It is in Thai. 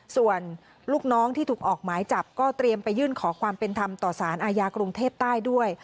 ส่วนลูกน้องที่ถูกออกหมายจับก็เตรียมไปยื่นขอความเป็นธรรมต่อสารอาญากรุงเทพใต้ด้วย